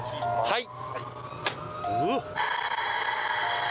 はい！